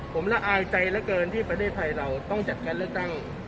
ผมร่าอายใจที่ประเทศไทยเราต้องจัดเรื่องเลือกตั้ง